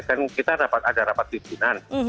kan kita dapat ada rapat izinan